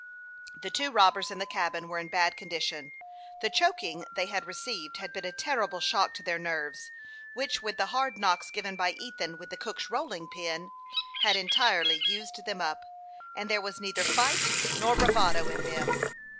The two robbers in the cabin were in bad condition. The choking they had received had been a terrible shock to their nerves, which, with the hard knocks given by Ethan with the cook's rolling pin, had entirely used them up, and there was neither fight nor bravado in them.